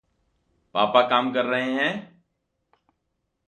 पापा काम कर रहे हैं।